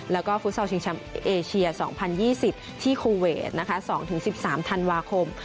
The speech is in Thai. แล้วก็ฟุตซอลชิงแชมป์เอเชีย๒๐๒๐ที่คูเวท๒๑๓ธันวาคม